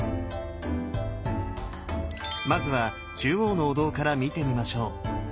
まずは中央のお堂から見てみましょう。